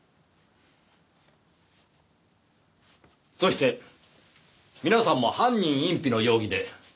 そして皆さんも犯人隠避の容疑でご同行願います。